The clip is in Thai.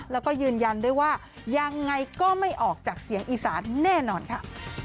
แล้วก็ยืนยันด้วยว่ายังไงก็ไม่ออกจากเสียงอีสานแน่นอนค่ะ